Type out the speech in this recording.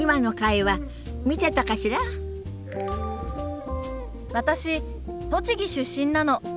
私栃木出身なの。